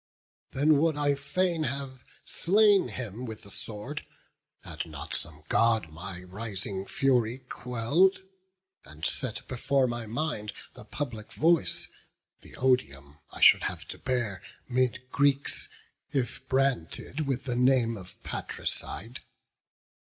Then would I fain have slain him with the sword, Had not some God my rising fury quell'd, And set before my mind the public voice, The odium I should have to bear 'mid Greeks, If branded with the name of patricide.